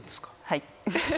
はい。